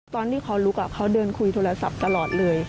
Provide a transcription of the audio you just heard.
ตอนที่เขาลุกเขาเดินคุยโทรศัพท์ตลอดเลย